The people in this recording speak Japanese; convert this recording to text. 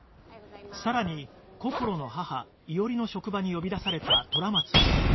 さらにこころの母伊織の職場に呼び出された虎松は